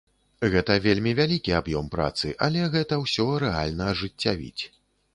Гэта вельмі вялікі аб'ём працы, але гэта ўсё рэальна ажыццявіць.